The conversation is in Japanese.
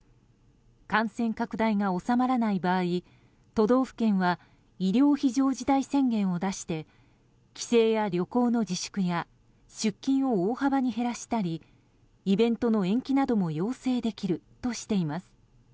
感染拡大が収まらない場合都道府県は医療非常事態宣言を出して帰省や旅行の自粛や出勤を大幅に減らしたりイベントの延期なども要請できるとしています。